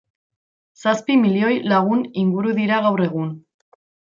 Zazpi milioi lagun inguru dira gaur egun.